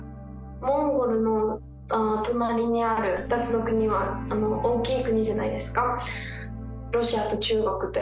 モンゴルの隣にある２つの国は、大きい国じゃないですか、ロシアと中国って。